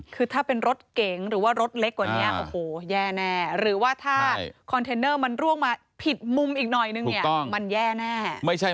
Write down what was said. คือถ้าเป็นรถเก๋งหรือว่ารถเล็กกว่านี้